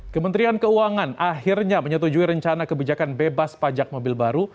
kementerian keuangan akhirnya menyetujui rencana kebijakan bebas pajak mobil baru